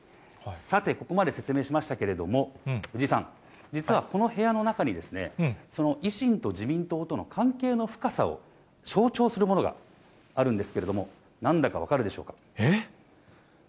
さて、ここまで説明しましたけれども、藤井さん、実はこの部屋の中に、その維新と自民党との関係の深さを象徴するものがあるんです